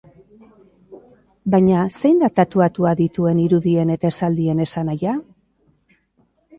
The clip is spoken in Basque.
Baina zein da tatuatuta dituen irudien eta esaldien esanahia?